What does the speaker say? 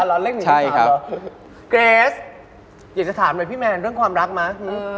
คริสอยากจะถามไว้พี่แมนเรื่องความรักมั้ย